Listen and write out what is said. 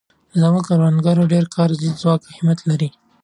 زموږ کروندګر ډېر کاري ځواک او همت لري.